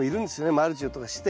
マルチとかして。